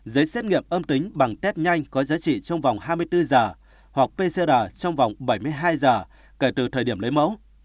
giấy xét nghiệm âm tính bằng test nhanh có giá trị trong vòng hai mươi bốn giờ hoặc pcr trong vòng bảy mươi hai giờ kể từ thời điểm lấy mẫu